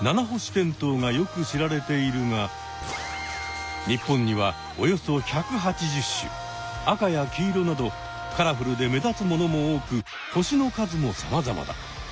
テントウがよく知られているが赤や黄色などカラフルで目立つものも多く星の数もさまざまだ。